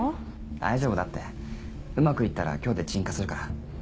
大丈夫だってうまく行ったら今日で鎮火するから。